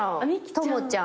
智ちゃん。